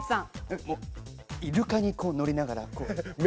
イルカに乗りながら。